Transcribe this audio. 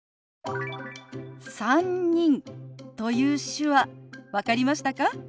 「３人」という手話分かりましたか？